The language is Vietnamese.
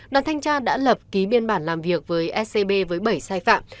đoàn thanh tra đã lập ký biên bản làm việc với scb với bảy sai phạm